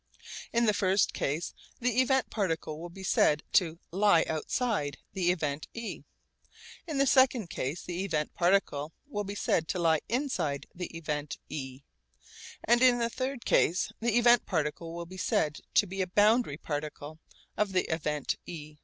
In the first case the event particle will be said to 'lie outside' the event e, in the second case the event particle will be said to 'lie inside' the event e, and in the third case the event particle will be said to be a 'boundary particle' of the event e.